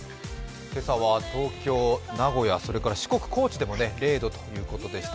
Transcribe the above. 今朝は東京、名古屋、四国、高知でも０度ということでした。